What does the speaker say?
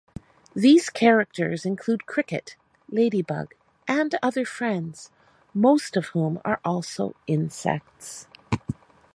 These characters include Cricket, Ladybug, and other friends, most of whom are also insects.